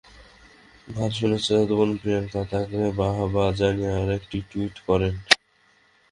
গান শুনে চাচাতো বোন প্রিয়াঙ্কা তাঁকে বাহবা জানিয়ে আরেকটি টুইট করেন।